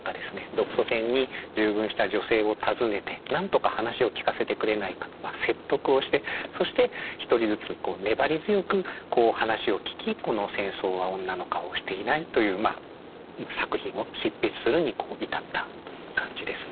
独ソ戦に従軍した女性を訪ねてなんとか話を聞かせてくれないかとまあ説得をしてそして１人ずつこう粘り強く話を聞きこの「戦争は女の顔をしていない」という作品を執筆するに至ったという感じですね。